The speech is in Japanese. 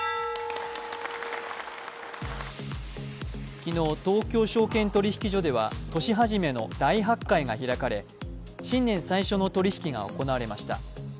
昨日、東京証券取引所では年始めの大発会が開かれ、新年最初の取引が行われました。